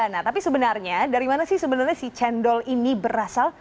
nah tapi sebenarnya dari mana sih sebenarnya si cendol ini berasal